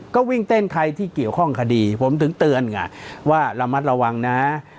ก็วิ่งเต้นใครที่เกี่ยวข้องคดีผมถึงเตือนไงว่าระมัดระวังนะ